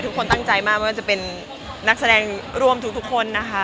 ทุกคนตั้งใจมากไม่ว่าจะเป็นนักแสดงร่วมทุกคนนะคะ